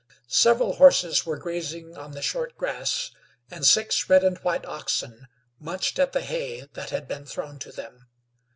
Several horses were grazing on the short grass, and six red and white oxen munched at the hay that had been thrown to them.